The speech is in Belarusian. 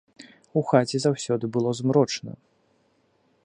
У хаце заўсёды было змрочна.